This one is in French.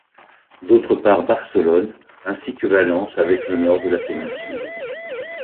D'autre part Barcelone, ainsi que Valence avec le nord de la péninsule.